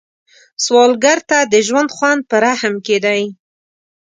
سوالګر ته د ژوند خوند په رحم کې دی